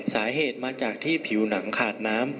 สาเหตุมาจากที่ผิวหนังขาดน้ำ